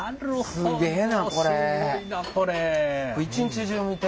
すげえなこれ。